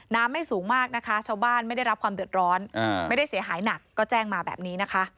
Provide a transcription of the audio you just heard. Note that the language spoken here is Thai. ไม่สูงมากนะคะชาวบ้านไม่ได้รับความเดือดร้อนไม่ได้เสียหายหนักก็แจ้งมาแบบนี้นะคะ